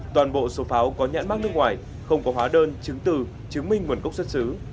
toàn bộ số pháo có nhãn mắc nước ngoài không có hóa đơn chứng từ chứng minh nguồn gốc xuất xứ